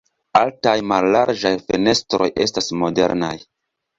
Altaj mallarĝaj fenestroj estas modernaj.